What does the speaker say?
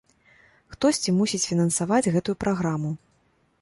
Хтосьці мусіць фінансаваць гэтую праграму.